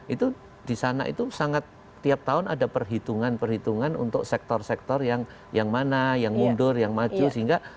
itu di sana itu sangat tiap tahun ada perhitungan perhitungan untuk sektor sektor yang mana yang mundur yang maju sehingga